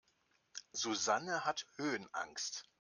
Susanne hat Höhenangst.